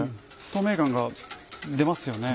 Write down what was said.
透明感が出ますよね。